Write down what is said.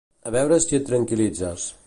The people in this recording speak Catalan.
A veure si et tranquilitzes.